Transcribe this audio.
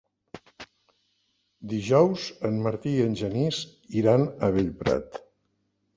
Dijous en Martí i en Genís iran a Bellprat.